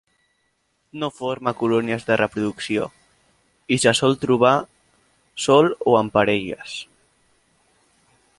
No forma colònies de reproducció, i se sol trobar sol o en parelles.